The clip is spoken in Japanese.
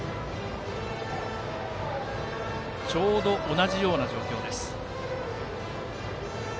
ちょうど同じような状況です。